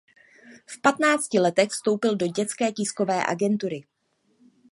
V patnácti letech vstoupil do Dětské tiskové agentury.